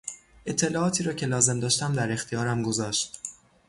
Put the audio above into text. اطلاعاتی را که لازم داشتم در اختیارم گذاشت.